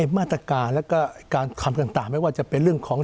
มาตรการแล้วก็การทำต่างไม่ว่าจะเป็นเรื่องของ